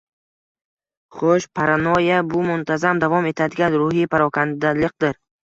Xo‘-o‘sh, paranoyya — bu muntazam davom etadigan ruhiy parokandaliqdir.